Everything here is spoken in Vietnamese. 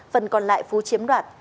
phần còn lại phú chiếm đoạt